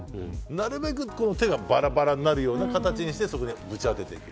なるべく、手がばらばらになるような形にして打ち当てていく。